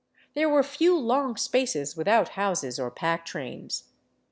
There were few long spaces without houses or pack trains.